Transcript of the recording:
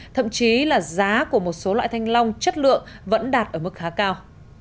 thậm chí là giá của một số loại thanh long chất lượng vẫn đạt ở mức khá cao